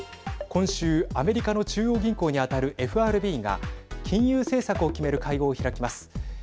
今週アメリカの中央銀行に当たるＦＲＢが金融政策を決める会合を開きます。